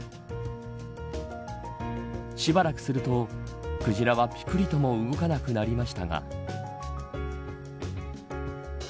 しばらくするとクジラはぴくりとも動かなくなりましたが。